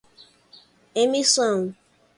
emissão